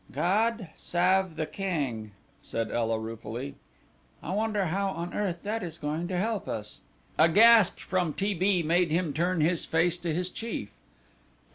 "God sav the Keng!" said Ela ruefully. "I wonder how on earth that is going to help us." A gasp from T. B. made him turn his face to his chief.